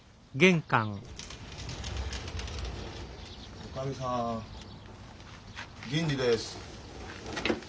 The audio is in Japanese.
おかみさん銀次です。